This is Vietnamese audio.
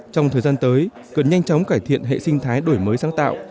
trong thời gian tới cần nhanh chóng cải thiện hệ sinh thái đổi mới sáng tạo